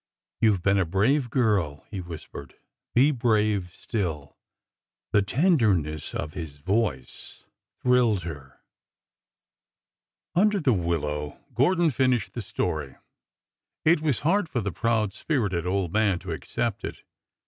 You 've been a brave girl !" he whispered. " Be brave still 1 " The tenderness of his voice thrilled her. Under the willow Gordon finished the story. It was hard for the proud spirited old man to accept it.